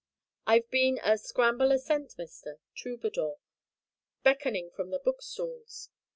I've been a 'scramble a cent, mister' troubadour beckoning from the book stalls.